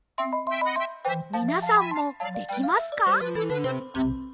みなさんもできますか？